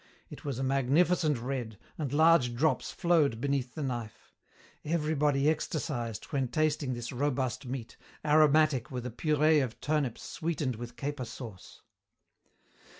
It was a magnificent red, and large drops flowed beneath the knife. Everybody ecstasized when tasting this robust meat, aromatic with a purée of turnips sweetened with caper sauce.